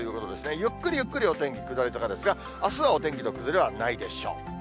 ゆっくりゆっくりお天気下り坂ですが、あすはお天気の崩れはないでしょう。